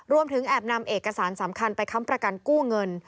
รวมถึงแอบนำเอกสารสำคัญไปค้ำประกันกู้เงิน